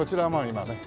今ね